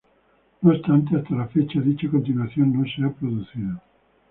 No obstante, hasta la fecha, dicha continuación no se ha producido.